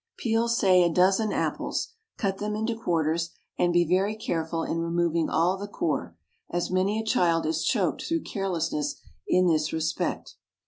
Peel say a dozen apples; cut them into quarters; and be very careful in removing all the core, as many a child is choked through carelessness in this respect.